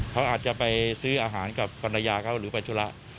เขาอาจจะไปซื้ออาหารกับภรรยาเขาหรือไปธุระ